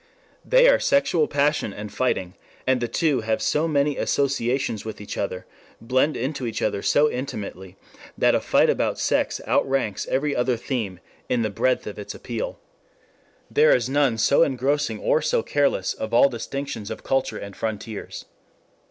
They are sexual passion and fighting, and the two have so many associations with each other, blend into each other so intimately, that a fight about sex outranks every other theme in the breadth of its appeal. There is none so engrossing or so careless of all distinctions of culture and frontiers.